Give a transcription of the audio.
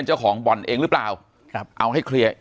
ปากกับภาคภูมิ